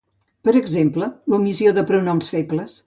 Per exemple, l'omissió de pronoms febles.